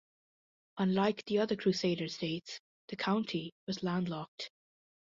Unlike the other Crusader states, the County was landlocked.